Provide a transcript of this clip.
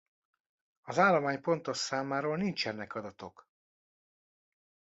Az állomány pontos számáról nincsenek adatok.